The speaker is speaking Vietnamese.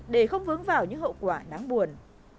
để không vướng vào những hậu quả đáng buồn